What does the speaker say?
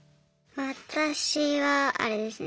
私はあれですね